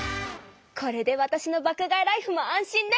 これでわたしの爆買いライフも安心ね！